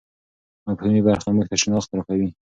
مفهومي برخه موږ ته شناخت راکوي.